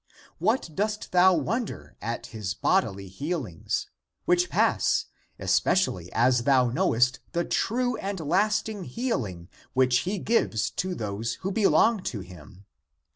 What dost thou wonder at his bodily healings, which pass, especially as thou knowest the true and lasting healing which he gives to those who belong to him?